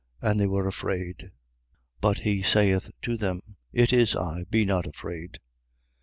And they were afraid. 6:20. But he saith to them: It is I. Be not afraid.